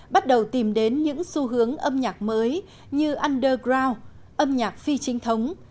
bắt đầu tìm đến những xu hướng âm nhạc mới như underground âm nhạc phi trinh thống